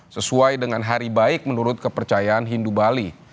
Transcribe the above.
sesuai dengan hari baik menurut kepercayaan hindu bali